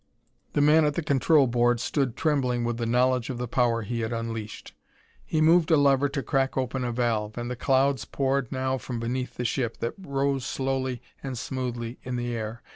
The man at the control board stood trembling with knowledge of the power he had unleashed. He moved a lever to crack open a valve, and the clouds poured now from beneath the ship, that raised slowly and smoothly in the air.